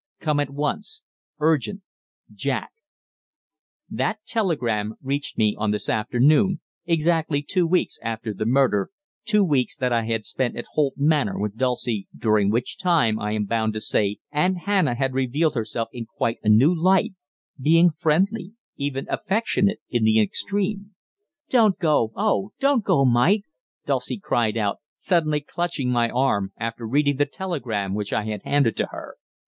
"Come at once. Urgent: Jack." That telegram reached me on this afternoon, exactly two weeks after the murder, two weeks that I had spent at Holt Manor with Dulcie, during which time, I am bound to say, Aunt Hannah had revealed herself in quite a new light, being friendly, even affectionate in the extreme. "Don't go oh! don't go, Mike!" Dulcie cried out, suddenly clutching my arm, after reading the telegram which I had handed to her.